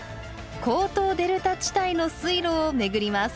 「江東デルタ地帯」の水路を巡ります。